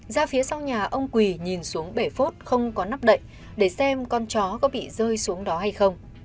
ra phía sau nhà ông quỳ nhìn xuống bể phốt không có nắp đậy để xem con chó có bị rơi xuống đó hay không